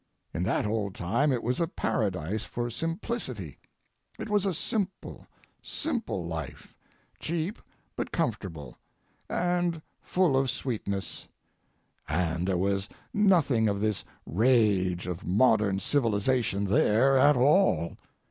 In that old time it was a paradise for simplicity—it was a simple, simple life, cheap but comfortable, and full of sweetness, and there was nothing of this rage of modern civilization there at all.